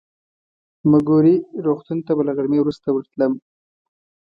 مګوري روغتون ته به له غرمې وروسته ورتلم.